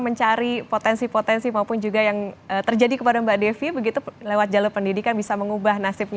mencari potensi potensi maupun juga yang terjadi kepada mbak devi begitu lewat jalur pendidikan bisa mengubah nasibnya